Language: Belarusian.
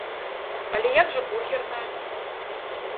Але як жа бургерная?